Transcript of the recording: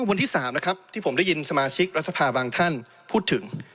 วันที่๓นะครับที่ผมได้ยินสมาชิกรัฐสภาบางท่านพูดถึง